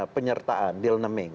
penyertaan deal naming